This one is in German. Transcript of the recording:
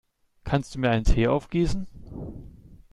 Kannst du mir einen Tee aufgießen?